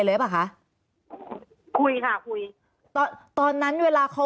มันเป็นอาหารของพระราชา